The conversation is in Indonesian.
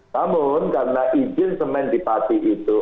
namun karena izin semen di pati itu